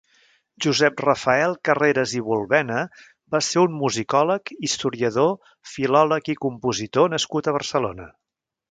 Josep Rafael Carreras i Bulbena va ser un musicòleg, historiador, filòleg i compositor nascut a Barcelona.